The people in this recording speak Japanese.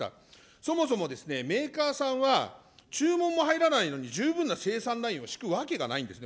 そもそもメーカーさんは、注文も入らないのに、十分な生産ラインをしくわけがないんですね。